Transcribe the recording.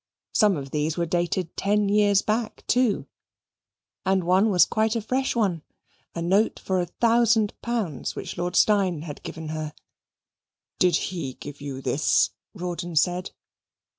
Some of these were dated ten years back, too, and one was quite a fresh one a note for a thousand pounds which Lord Steyne had given her. "Did he give you this?" Rawdon said.